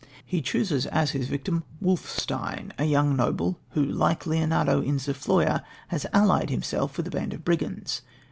He chooses as his victim, Wolfstein, a young noble who, like Leonardo in Zofloya, has allied himself with a band of brigands.